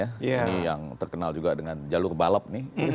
ini yang terkenal juga dengan jalur balap nih